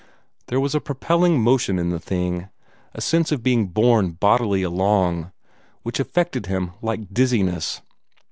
There was a propelling motion in the thing a sense of being borne bodily along which affected him like dizziness.